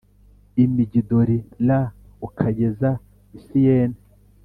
I migidoli r ukageza i siyene